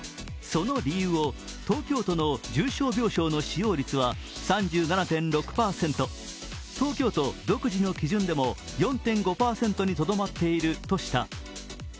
その理由を、東京都の重症病床の使用率は３７．６％東京都独自の基準でも４・５％にとどまっているとした。